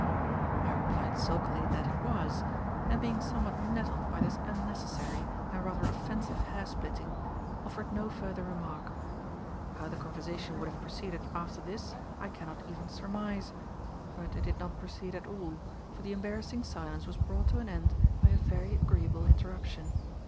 I replied sulkily that it was; and being somewhat nettled by this unnecessary and rather offensive hairsplitting, offered no further remark. How the conversation would have proceeded after this, I cannot even surmise. But it did not proceed at all, for the embarrassing silence was brought to an end by a very agreeable interruption.